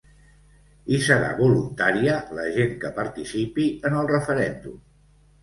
I serà voluntària la gent que participi en el referèndum.